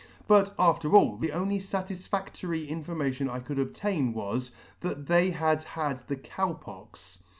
But after all, the only fatisfadtory information I could obtain was, that they had had the Cow Pox.